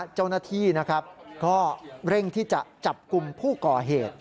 เจ้าหน้าที่เร่งที่จะจับกลุ่มผู้ก่อเหตุ